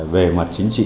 về mặt chính trị